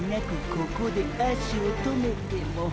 ここで足を止めても。